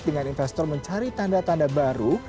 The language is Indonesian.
dengan investor mencari tanda tanda baru